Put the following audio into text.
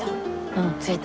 うん着いた。